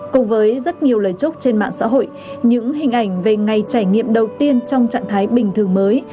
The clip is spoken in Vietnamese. cùng với rất nhiều lời chúc trên mạng xã hội những hình ảnh về ngày trải nghiệm đầu tiên trong trạng thái bình thường mới